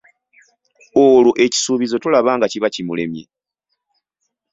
Olwo ekisuubizo tolaba nga kiba kimulemye?